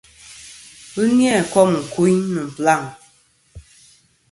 Ghɨ ni-a kôm kuyn nɨ̀ blaŋ.